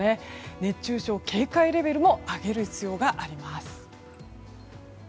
熱中症警戒レベルも上げる必要があります。